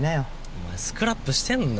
お前スクラップしてんだろ？